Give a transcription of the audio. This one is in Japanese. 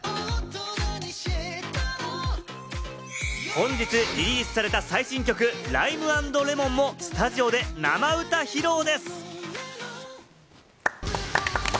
本日リリースされた最新曲『Ｌｉｍｅ＆Ｌｅｍｏｎ』もスタジオで生歌披露です！